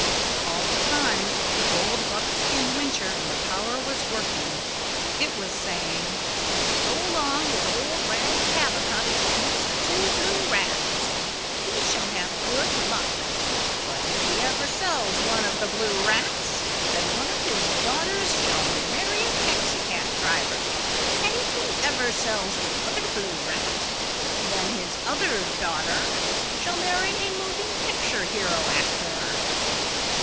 All the time the gold buckskin whincher and the power was working. It was saying, "So long as old Rags Habakuk keeps the two blue rats he shall have good luck but if he ever sells one of the blue rats then one of his daughters shall marry a taxicab driver and if he ever sells the other blue rat then his other daughter shall marry a moving picture hero actor."